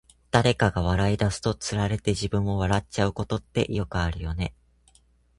誰かが笑い出すと、つられて自分も笑っちゃうことってよくあるよね。